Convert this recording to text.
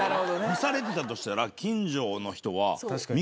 干されてたとしたら。